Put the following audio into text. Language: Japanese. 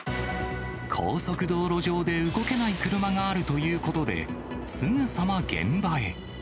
高速道路上で動けない車があるということで、すぐさま現場へ。